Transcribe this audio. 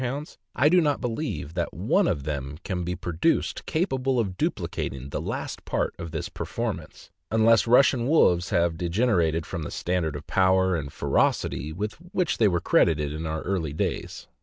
hounds, I do not believe that one of them can be produced capable of duplicating the last part of this performance, unless Russian wolves have degenerated from the standard of power and ferocity with which they were credited in our early days.